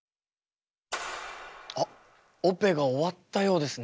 あっオペが終わったようですね。